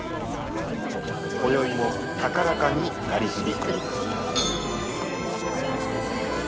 こよいも高らかに鳴り響く。